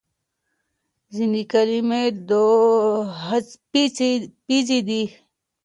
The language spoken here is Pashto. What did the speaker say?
ځینې کلمې دوهڅپیزې دي.